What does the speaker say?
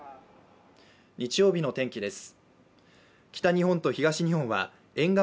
日曜日の天気です。